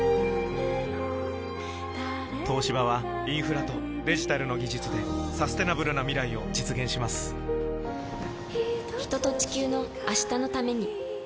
東芝はインフラとデジタルの技術でサステナブルな未来を実現します人と、地球の、明日のために。